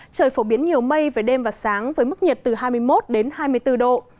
trời phổ biến nhiều mây về đêm và sáng với mức nhiệt từ hai mươi một đến hai mươi bốn độ